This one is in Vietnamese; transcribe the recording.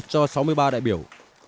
cho sáu mươi ba đại biểu